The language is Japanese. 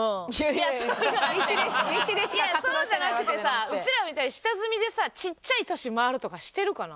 いやそうじゃなくてさうちらみたいに下積みでさちっちゃい都市回るとかしてるかな？